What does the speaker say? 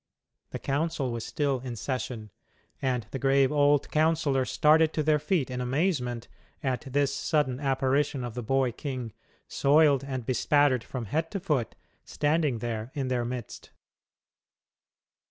The council was still in session, and the grave old councillors started to their feet in amazement at this sudden apparition of the boy king, soiled and bespattered from head to foot, standing there in their midst.